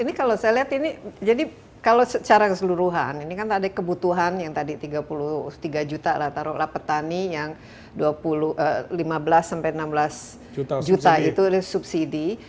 ini kalau saya lihat ini jadi kalau secara keseluruhan ini kan ada kebutuhan yang tadi tiga puluh tiga juta lah taruhlah petani yang lima belas sampai enam belas juta itu subsidi